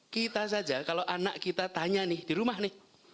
kita saja kalau anak kita tanya nih di rumah nih